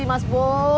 ntar aku pulang dulu